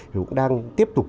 cũng đang tiếp tục